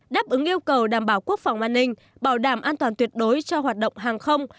đáp ứng yêu cầu đảm bảo quốc phòng an ninh bảo đảm an toàn tuyệt đối cho hoạt động hàng không